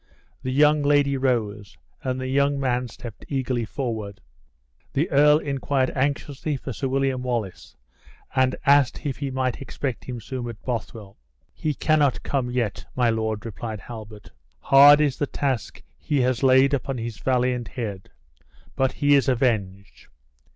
The young lady rose, and the young man stepped eagerly forward. The earl inquired anxiously for Sir William Wallace, and asked if he might expect him soon at Bothwell. "He cannot yet come, my lord," replied Halbert; "hard is the task he has laid upon his valiant head; but he is avenged!